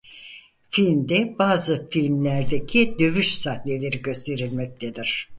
Filmde bazı filmlerdeki dövüş sahneleri gösterilmektedir.